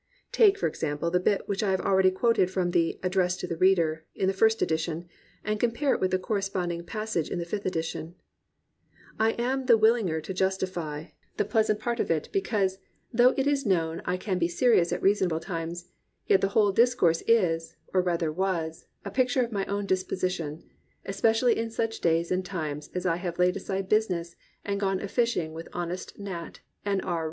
Take, for example, the bit which I have already quoted from the "address to the reader" in the first edition, and compare it with the corresponding passage in the fifth edition: "I am the willinger to justify the pleasant part of 301 COMPANIONABLE BOOKS it, because, though it is known I can he serious at reasonable times, yet the whole discourse is, or rather was, a picture of my own disposition, especially in such days and times as I have laid oMde business, and gone a fishing with honest Nat. and R.